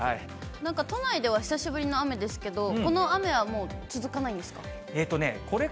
なんか都内では久しぶりの雨ですけど、この雨はもう続かないんですか。